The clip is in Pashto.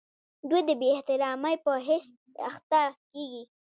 دوی د بې احترامۍ په حس اخته کیږي.